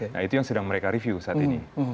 nah itu yang sedang mereka review saat ini